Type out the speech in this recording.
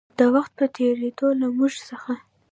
د وخـت پـه تېـرېدو لـه مـوږ څـخـه